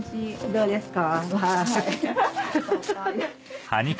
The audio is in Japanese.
どうですか？